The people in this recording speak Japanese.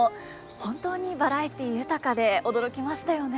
本当にバラエティー豊かで驚きましたよね。